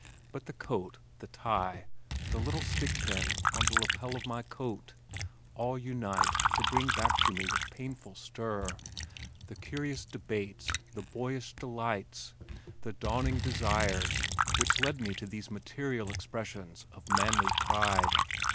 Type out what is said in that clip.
But the coat, the tie, the little stick pin on the lapel of my coat all unite to bring back to me with painful stir, the curious debates, the boyish delights, the dawning desires which led me to these material expressions of manly pride.